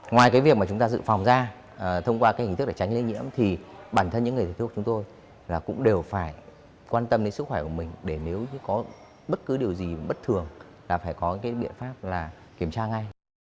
ngoài cái việc mà chúng ta dự phòng ra thông qua cái hình thức để tránh lây nhiễm thì bản thân những người thể thuốc chúng tôi là cũng đều phải quan tâm đến sức khỏe của mình để nếu như có bất cứ điều gì bất thường là phải có cái biện pháp là kiểm tra ngay